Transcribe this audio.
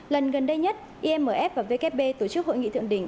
lần gần đây nhất imf và vkp tổ chức hội nghị thượng đỉnh